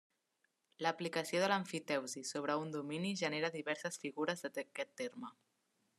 L'aplicació de l'emfiteusi sobre un domini, genera diverses figures d'aquest terme.